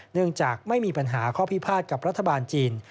เนื่องจากไม่มีปัญหาข้อพิพาทกับรัฐบาลจีน